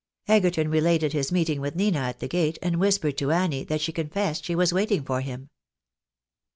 Egerton related his meeting with Nina at the gate, and whis pered to Annie that she confessed she was waiting for him.